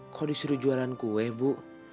kok disuruh jualan kue bu